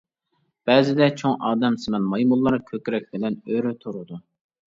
بەزىدە چوڭ ئادەمسىمان مايمۇنلار كۆكرەك بىلەن ئۆرە تۇرىدۇ.